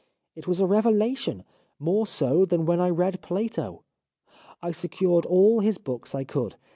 It was a revelation ; more so than when I read Plato. I secured all his books I could.